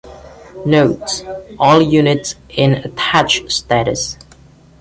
Notes: All units in attached status.